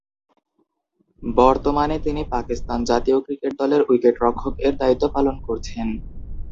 বর্তমানে তিনি পাকিস্তান জাতীয় ক্রিকেট দলের উইকেট-রক্ষক এর দায়িত্ব পালন করছেন।